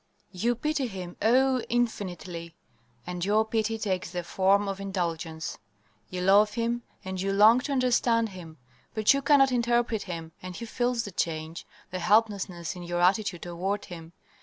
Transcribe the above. You pity him oh, infinitely! And your pity takes the form of indulgence. You love him and you long to understand him; but you cannot interpret him and he feels the change, the helplessness in your attitude toward him.